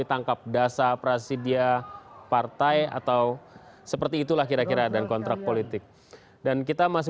pada pak jarod apakah bersedia untuk mendandatangani